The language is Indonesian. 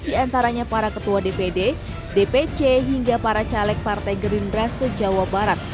di antaranya para ketua dpd dpc hingga para caleg partai gerindra se jawa barat